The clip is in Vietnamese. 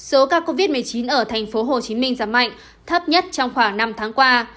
số ca covid một mươi chín ở tp hcm giảm mạnh thấp nhất trong khoảng năm tháng qua